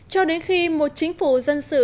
cho đến khi một chính phủ dân sự